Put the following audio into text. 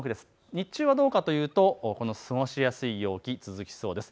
日中はどうかというとこの過ごしやすい陽気、続きそうです。